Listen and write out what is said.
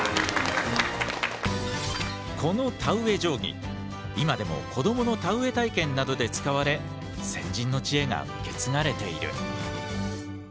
この田植え定規今でも子どもの田植え体験などで使われ先人の知恵が受け継がれている。